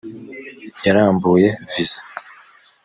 yarambuye viza .